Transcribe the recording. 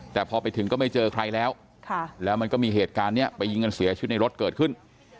แต่พอไปถึงก็ไม่เจอใครแล้วแล้วมันก็มีเหตุการณ์นี้ไปยิงกันเสียชีวิตในรถเกิดขึ้น